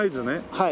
はい。